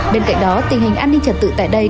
bên cạnh đó tình hình an ninh trật tự tại đây